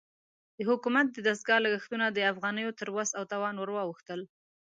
د حکومت د دستګاه لګښتونه د افغانیو تر وس او توان ورواوښتل.